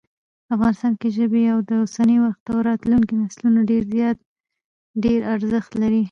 افغانستان کې ژبې د اوسني وخت او راتلونکي نسلونو لپاره ډېر ارزښت لري.